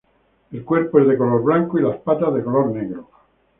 El cuerpo es de color blanco y las patas de color negro.